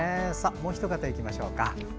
もう一方、いきましょう。